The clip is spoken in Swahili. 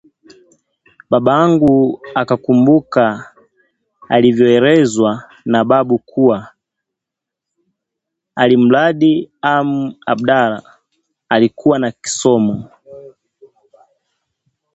Babangu akakumbuka alivyoelezwa na babu kuwa alimradi amu Abdalla alikuwa na kisomo